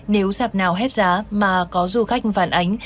nếu sạp nào hết giá mà có du khách phản ánh